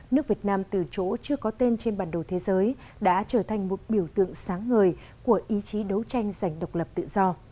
nước việt nam từ chỗ chưa có tên trên bản đồ thế giới đã trở thành một biểu tượng sáng ngời của ý chí đấu tranh giành độc lập tự do